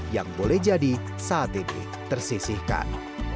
yang boleh jadi saat ini tersisihkan